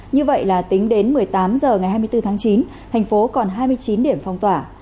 như vậy là tính đến một mươi tám h ngày hai mươi bốn tháng chín thành phố còn hai mươi chín điểm phong tỏa